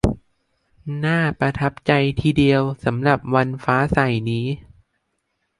น่าประทับใจที่เดียวสำหรับวันฟ้าใสนี้